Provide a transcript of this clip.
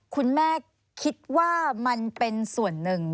คุณแม่คิดว่ามันเป็นส่วนหนึ่ง